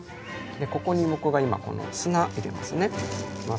ここに僕が今この入れますよ。